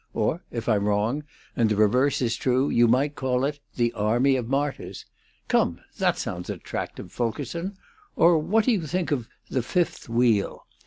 Or, if I'm wrong, and the reverse is true, you might call it 'The Army of Martyrs'. Come, that sounds attractive, Fulkerson! Or what do you think of 'The Fifth Wheel'?